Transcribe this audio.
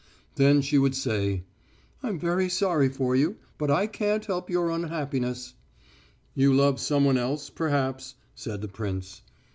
Then she would say, "I'm very sorry for you, but I can't help your unhappiness." "You love someone else, perhaps," said the prince.